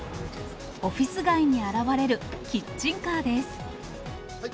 オフィス街に現れるキッチンカーです。